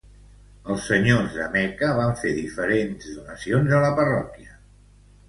Els senyors de Meca van fer diferents donacions a la parròquia.